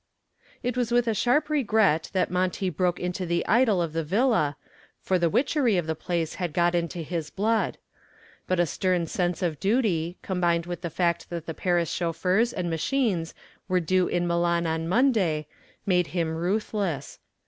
It was with a sharp regret that Monty broke into the idyl of the villa, for the witchery of the place had got into his blood. But a stern sense of duty, combined with the fact that the Paris chauffeurs and machines were due in Milan on Monday, made him ruthless.